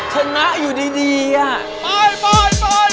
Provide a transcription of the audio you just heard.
แตกหมดหมดแล้วไปเลย